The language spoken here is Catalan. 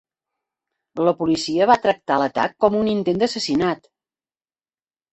La policia va tractar l'atac com un intent d'assassinat.